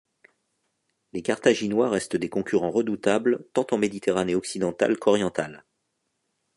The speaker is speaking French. Les Carthaginois restent des concurrents redoutables tant en Méditerranée occidentale qu'orientale.